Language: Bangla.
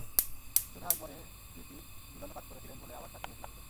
যোধা আকবর-এ হৃতিক দুর্দান্ত কাজ করেছিলেন বলে আবার তাঁকে নিয়েছেন আশুতোষ।